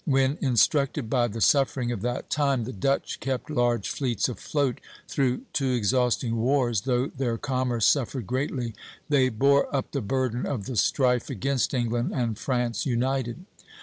When, instructed by the suffering of that time, the Dutch kept large fleets afloat through two exhausting wars, though their commerce suffered greatly, they bore up the burden of the strife against England and France united.